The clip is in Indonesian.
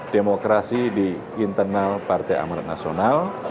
demokrasi di internal partai amarat nasional